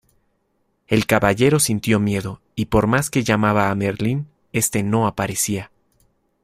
El Caballero sintió miedo y, por más que llamaba a Merlín, este no aparecía.